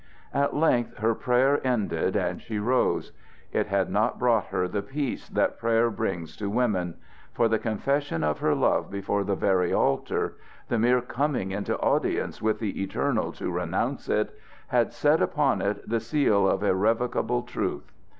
At length her prayer ended and she rose. It had not brought her the peace that prayer brings to women; for the confession of her love before the very altar the mere coming into audience with the Eternal to renounce it had set upon it the seal of irrevocable truth.